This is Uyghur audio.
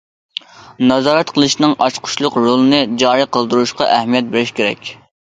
نازارەت قىلىشنىڭ ئاچقۇچلۇق رولىنى جارى قىلدۇرۇشقا ئەھمىيەت بېرىش كېرەك.